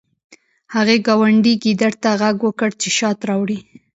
هغې ګاونډي ګیدړ ته غږ وکړ چې شات راوړي